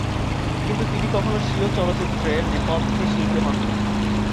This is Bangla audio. কিন্তু তিনি কখনো স্বীয় চলচ্চিত্রে নেপথ্য শিল্পী হননি।